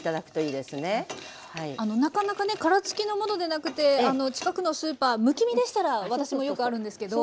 あのなかなかね殻付きのものでなくて近くのスーパーむき身でしたら私もよくあるんですけど。